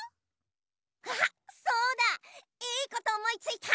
あっそうだいいことおもいついた！